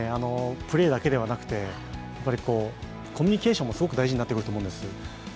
プレーだけではなくて、コミュニケーションもすごく大事になってくると思うんです。